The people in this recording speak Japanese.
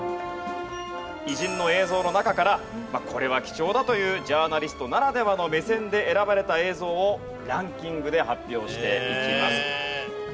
偉人の映像の中からこれは貴重だというジャーナリストならではの目線で選ばれた映像をランキングで発表していきます。